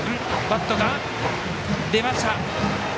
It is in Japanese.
バット、出ました。